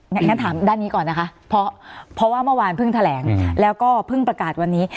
งั้นถามด้านนี้ก่อนนะคะเพราะว่าเมื่อวานเพิ่งแถลงแล้วก็เพิ่งประกาศวันนี้